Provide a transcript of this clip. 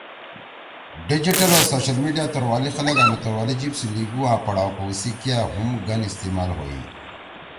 ڈیجیٹل او سوشل میڈیا توروالی خلگا می توروالی جیِب سی لیگُو آں پڑھاؤ کؤ سی کیا ہُم گن استعمال ہوئی۔